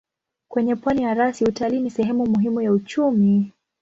Kwenye pwani ya rasi utalii ni sehemu muhimu ya uchumi.